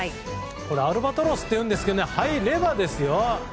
アルバトロスというんですけど入ればですよ。